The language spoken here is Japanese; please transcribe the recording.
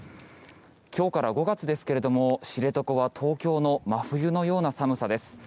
今日から５月ですが、知床は東京の真冬のような寒さです。